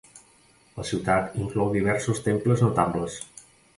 La ciutat inclou diversos temples notables.